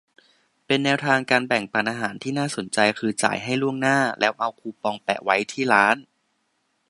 เป็นแนวทางการแบ่งปันอาหารที่น่าสนใจ คือ จ่ายให้ล่วงหน้า แล้วเอาคูปองแปะไว้ที่ร้าน